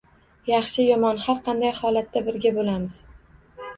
Yaxshi-yomon har qanday holatda birga boʻlamiz